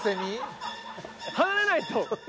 離れないと。